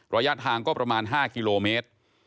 ระยะทางก็ประมาณ๕กิโลเมตร